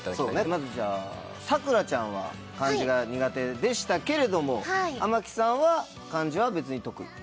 まずじゃあ桜ちゃんは漢字が苦手でしたけれども天城さんは漢字は別に得意？